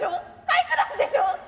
ハイクラスでしょ？